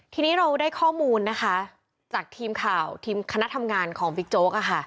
ทีนี้เราได้ข้อมูลนะคะจากทีมข่าวทีมคณะทำงานของบิ๊กโจ๊ก